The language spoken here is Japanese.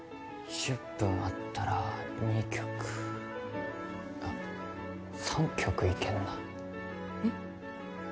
１０分あったら２曲あっ３曲いけんなえっ？